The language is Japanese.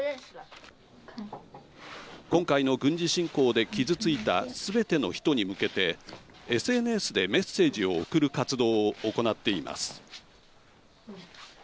今回の軍事侵攻で傷ついたすべての人に向けてＳＮＳでメッセージを送る活動を行っています。